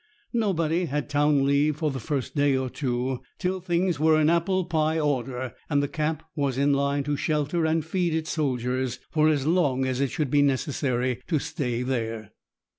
Nobody had town leave for the first day or two, till things were in apple pie order, and the camp was in line to shelter and feed its soldiers for as long as it should be necessary to stay there.